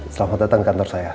selamat datang ke kantor saya